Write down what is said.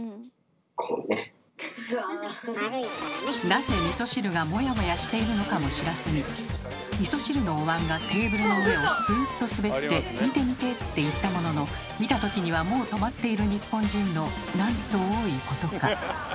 なぜみそ汁がモヤモヤしているのかも知らずにみそ汁のおわんがテーブルの上をスーッと滑って「見て見て！」って言ったものの見た時にはもう止まっている日本人のなんと多いことか。